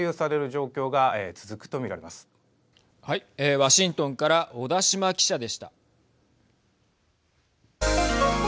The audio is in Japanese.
ワシントンから小田島記者でした。